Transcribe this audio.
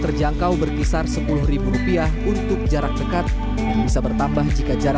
terjangkau berkisar sepuluh rupiah untuk jarak dekat yang bisa bertambah jika jarak